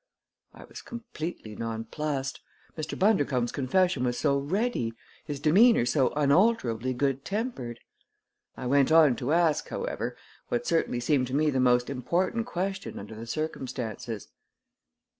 I was completely nonplussed Mr. Bundercombe's confession was so ready, his demeanor so unalterably good tempered. I went on to ask, however, what certainly seemed to me the most important question under the circumstances.